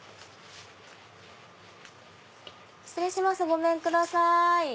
失礼しますごめんください！